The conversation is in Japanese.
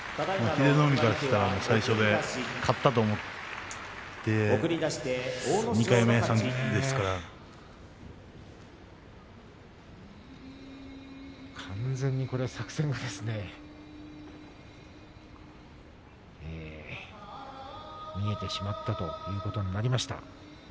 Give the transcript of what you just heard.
英乃海からすると最初で勝ったと思って２回目、３回目ですから完全にこれは作戦が見えてしまったということになりました。